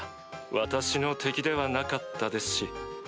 私の敵ではなかったですし。